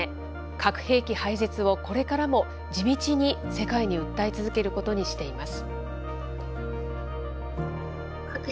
核兵器廃絶をこれからも地道に世界に訴え続けることにしています。